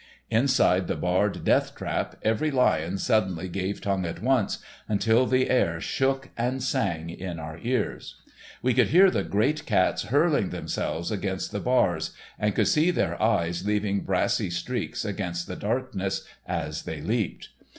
Inside the barred death trap every lion suddenly gave tongue at once, until the air shook and sang in our ears. We could hear the great cats hurling themselves against the bars, and could see their eyes leaving brassy streaks against the darkness as they leaped.